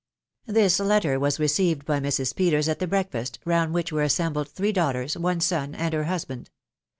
This letter was received by Mrs. Peters at the breakfast table, round which were assembled three daughters, one son, and her husband.